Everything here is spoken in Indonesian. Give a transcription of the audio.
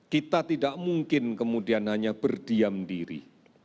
kita tidak mungkin kemudian hanya berdiam diri